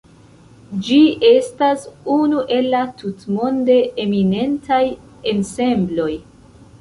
Ĝi estas unu el la tutmonde eminentaj ensembloj.